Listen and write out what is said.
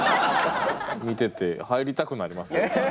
見てて入りたくなります。